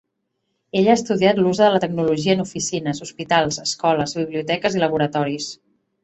Ella ha estudiat l'ús de la tecnologia en oficines, hospitals, escoles, biblioteques i laboratoris.